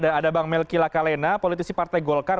dan ada bang melki lakalena politisi partai golkar